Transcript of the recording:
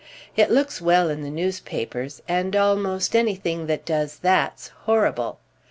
It looks well in the newspapers, and almost anything that does that's horrible.